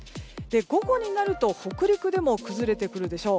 午後になると北陸でも崩れてくるでしょう。